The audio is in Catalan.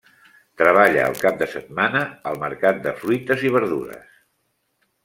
Treballa el cap de setmana al mercat de fruites i verdures.